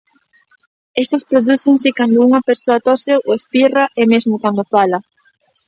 Estas prodúcense cando unha persoa tose ou espirra e mesmo cando fala.